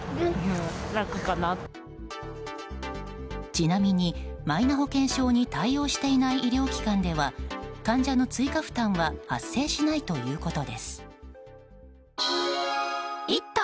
ちなみに、マイナ保険証に対応していない医療機関では患者の追加負担は発生しないということです。